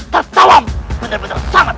tertawa benar benar sangat